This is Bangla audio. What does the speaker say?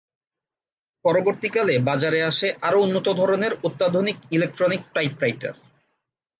পরবর্তীকালে বাজারে আসে আরো উন্নত ধরনের অত্যাধুনিক ইলেকট্রনিক টাইপ রাইটার।